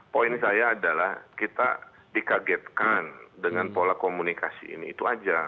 poin saya adalah kita dikagetkan dengan pola komunikasi ini itu aja